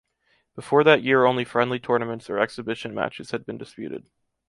Before that year only friendly tournaments or exhibition matches had been disputed.